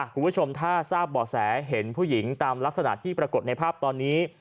คุณผู้ชมถ้าทราบบ่อแสเห็นผู้หญิงตามลักษณะที่ปรากฏในภาพตอนนี้